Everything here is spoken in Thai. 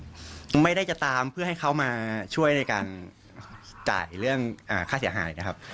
เราไม่ได้ตามเพื่อให้เขามาช่วยในการจ่ายหายชาย